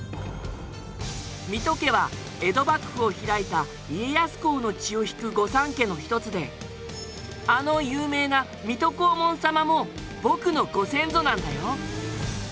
水戸家は江戸幕府を開いた家康公の血を引く御三家の一つであの有名な水戸黄門様も僕のご先祖なんだよ。